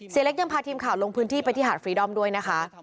เล็กยังพาทีมข่าวลงพื้นที่ไปที่หาดฟรีดอมด้วยนะคะ